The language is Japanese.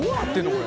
これ。